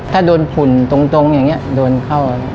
ถ้าโดนฝุ่นตรงอย่างนี้โดนเข้า